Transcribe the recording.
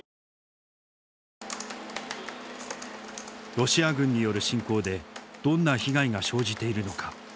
ロシア軍による侵攻でどんな被害が生じているのか。